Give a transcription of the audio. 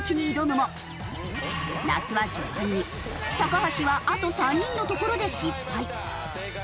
那須は序盤に橋はあと３人のところで失敗。